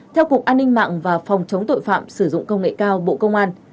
theo cục an ninh mạng và phòng chống tội phạm sử dụng công nghệ cao bộ công an